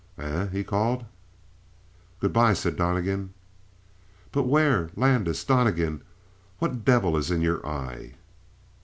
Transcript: "Eh?" he called. "Good by," said Donnegan. "But where Landis Donnegan, what devil is in your eye?"